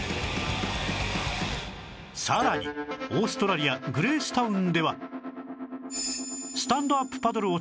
さらにオーストラリアグレースタウンではの前に